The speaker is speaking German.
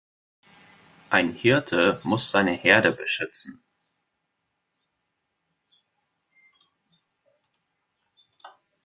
Ein Hirte muss seine Herde beschützen.